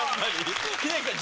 英樹さん。